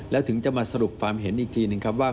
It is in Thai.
แล้วถึงจะมาสรุปความเห็นอีกทีหนึ่งครับว่า